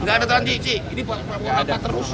nggak ada tangan sisi ini pak prabowo rapat terus